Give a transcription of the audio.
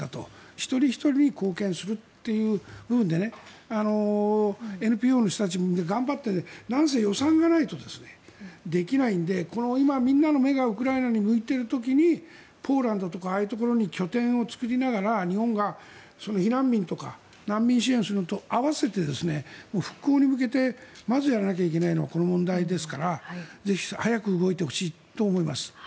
一人ひとりに貢献するという部分でＮＰＯの人たち、みんな頑張ってなんせ予算がないとできないので今みんなの目がウクライナに向いている時にポーランドとかああいうところに拠点を作りながら日本が避難民とか難民支援をするのと合わせて復興に向けてまずやらなきゃいけないのはこの問題ですからぜひ早く動いてほしいと思います。